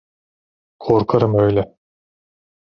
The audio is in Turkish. Korkarım öyle.